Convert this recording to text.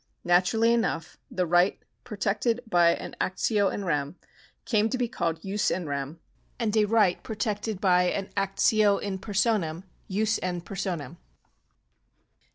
* Naturally enough, the right protected by an actio in rem came to be called jus in rem, and a right protected by an actio in personam, jus in personam.